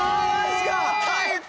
耐えた！